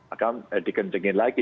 akan dikencengin lagi